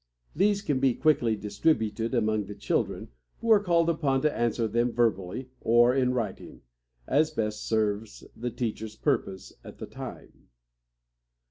These can be quickly distributed among the children, who are called upon to answer them verbally or in writing, as best serves the teacher's purpose at the time.